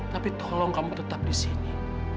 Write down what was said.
tapi tolong kamu tetap di sini